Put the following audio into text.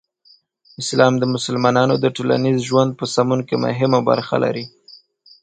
اسلام د مسلمانانو د ټولنیز ژوند په سمون کې مهمه برخه لري.